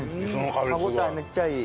歯応えめっちゃいい。